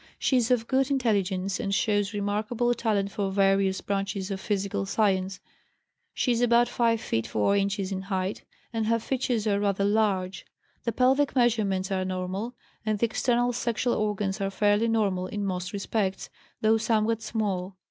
She is of good intelligence, and shows remarkable talent for various branches of physical science. She is about 5 feet 4 inches in height, and her features are rather large. The pelvic measurements are normal, and the external sexual organs are fairly normal in most respects, though somewhat small.